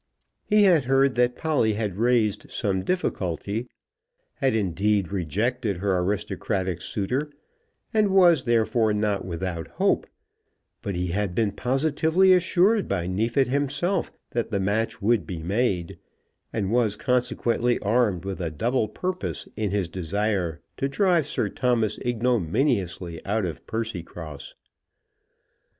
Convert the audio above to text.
He had heard that Polly had raised some difficulty, had, indeed, rejected her aristocratic suitor, and was therefore not without hope; but he had been positively assured by Neefit himself that the match would be made, and was consequently armed with a double purpose in his desire to drive Sir Thomas ignominiously out of Percycross.